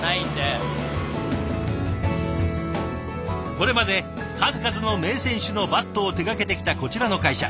これまで数々の名選手のバットを手がけてきたこちらの会社。